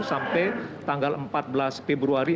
sampai tanggal empat belas februari